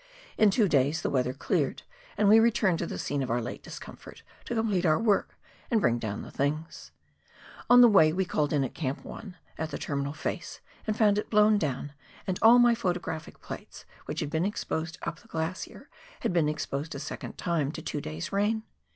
In two days the weather cleared and we returned to the scene of our late discomfort, to complete our work and bring down the things. On the way we called in at Camp 1, at the terminal face, and found it blown down, and all my photographic plates which had been exposed up the glacier, had been exposed a second time to two days' rain.